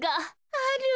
ある。